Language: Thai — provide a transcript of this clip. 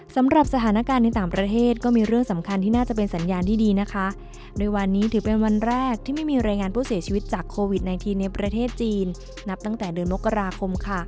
สำหรับสถานการณ์ในต่างประเทศก็มีเรื่องสำคัญที่น่าจะเป็นสัญญาณที่ดีนะคะโดยวันนี้ถือเป็นวันแรกที่ไม่มีรายงานผู้เสียชีวิตจากโควิด๑๙ในประเทศจีนนับตั้งแต่เดือนมกราคมค่ะ